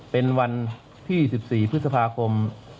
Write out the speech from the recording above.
เป็นวันที่๑๔พฤษภาคม